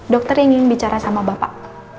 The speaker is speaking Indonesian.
dokter yang ingin bicara sama bapak